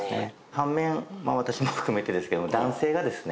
反面私も含めてですけど男性がですね